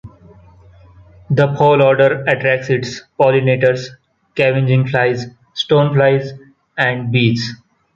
The foul odor attracts its pollinators, scavenging flies, stoneflies, and bees.